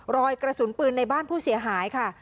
รอยกระสุนปืนในบ้านผู้เสียหายค่ะ